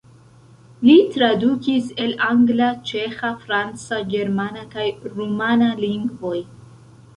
Li tradukis el angla, ĉeĥa, franca, germana kaj rumana lingvoj.